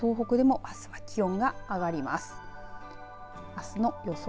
あすの予想